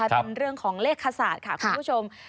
เป็นเรื่องของเลขขศาสตร์ค่ะคุณผู้ชม